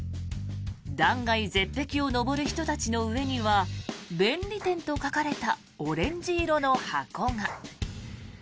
断崖絶壁を上る人たちの上には便利店と書かれたオレンジ色の箱が。